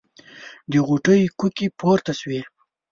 د غوټۍ کوکې پورته شوې.